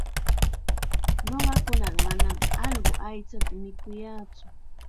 Ñuqakunaqa manam allqu aychata mikuyaatsu.